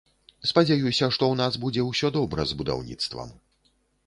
Спадзяюся, што ў нас будзе ўсё добра з будаўніцтвам.